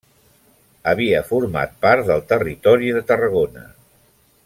Havia format part del Territori de Tarragona.